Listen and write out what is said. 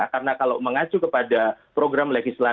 karena kalau mengacu kepada program legislatif